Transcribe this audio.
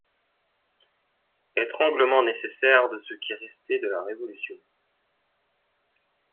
Étranglement nécessaire de ce qui restait de la révolution.